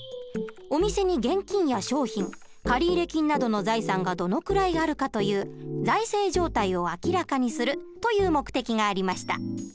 お店に現金や商品借入金などの財産がどのくらいあるかという財政状態を明らかにするという目的がありました。